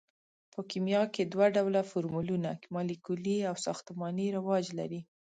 په کیمیا کې دوه ډوله فورمولونه مالیکولي او ساختماني رواج لري.